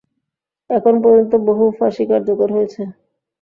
এখন পর্যন্ত বহু ফাঁসি কার্যকর হয়েছে?